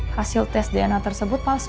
hasil tes dna tersebut palsu